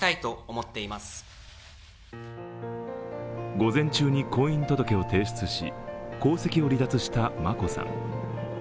午前中に婚姻届を提出し皇籍を離脱した眞子さん。